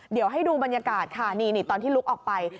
เดี๋ยวให้ดูบรรยากาศค่ะนี่ตอนที่ลุกออกไป